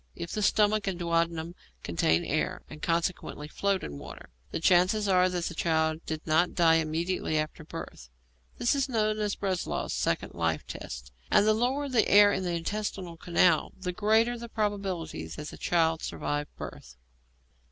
If the stomach and duodenum contain air, and consequently float in water, the chances are that the child did not die immediately after birth; this is known as Breslau's second life test, and the lower the air in the intestinal canal, the greater is the probability that the child survived birth.